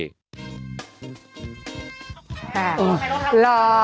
ค่ะหล่อ